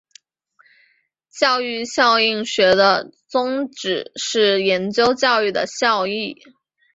教育效益学的宗旨是研究教育的效益。